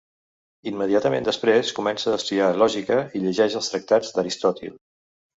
Immediatament després, comença a estudiar lògica i llegeix els tractats d'Aristòtil.